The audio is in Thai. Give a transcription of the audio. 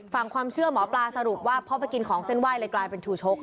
ฟังความเชื่อหมอปลาสรุปว่าพอไปกินของเส้นไห้เลยกลายเป็นชูชก